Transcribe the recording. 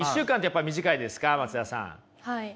はい。